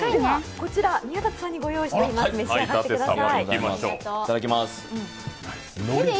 こちら宮舘さんに御用意しています、召し上がってください。